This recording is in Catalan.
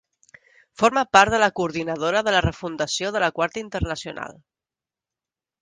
Forma part de la Coordinadora per la Refundació de la Quarta Internacional.